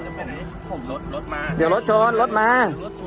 ไม่ผมกลับได้